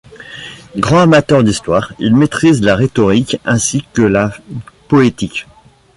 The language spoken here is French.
Grand amateur d'Histoire, il maîtrise la rhétorique ainsi que la poétique.